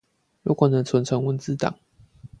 如果能存成文字檔